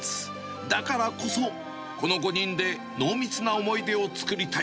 だからこそ、この５人で濃密な思い出を作りたい。